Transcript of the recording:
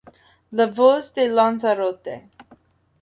La voz de Lanzarote.